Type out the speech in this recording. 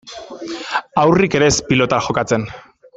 Haurrik ere ez pilotan jokatzen.